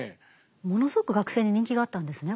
ものすごく学生に人気があったんですね